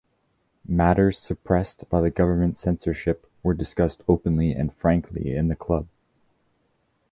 Matters suppressed by government censorship were discussed openly and frankly in the club.